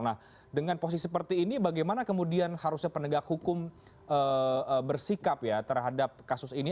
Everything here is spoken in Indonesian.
nah dengan posisi seperti ini bagaimana kemudian harusnya penegak hukum bersikap ya terhadap kasus ini